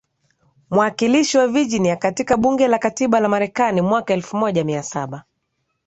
mwakilishi wa Virginia katika bunge la katiba la Marekani mwaka elfu moja mia saba